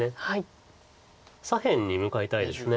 左辺に向かいたいです。